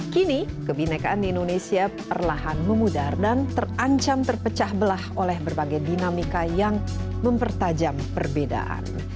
kini kebinekaan di indonesia perlahan memudar dan terancam terpecah belah oleh berbagai dinamika yang mempertajam perbedaan